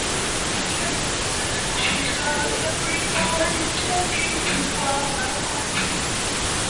The Gilded Balloon later moved to premises in Teviot Row House.